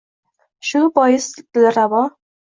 Shu bois Dilrabo